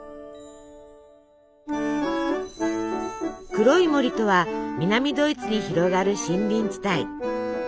黒い森とは南ドイツに広がる森林地帯。